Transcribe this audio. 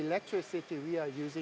ya elektrisasi yang kita gunakan